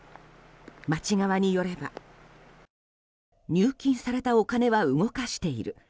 町側によれば入金されたお金は動かしている。